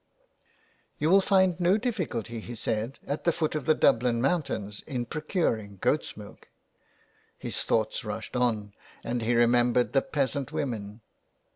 " You will find no difficulty," he said, " at the foot of the Dublin mountains in procuring goat's milk." His thoughts rushed on, and he remembered the peasant women.